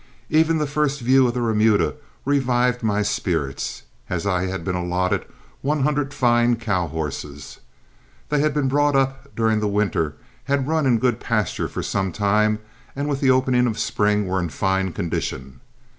Even the first view of the remuda revived my spirits, as I had been allotted one hundred fine cow horses. They had been brought up during the winter, had run in a good pasture for some time, and with the opening of spring were in fine condition.